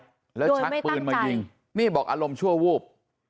โดยไม่ตั้งใจแล้วชักปืนมายิงนี่บอกอารมณ์ชั่ววูบ